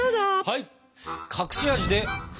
はい！